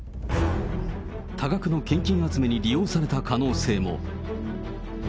多額の献金集めに利用された可能性も。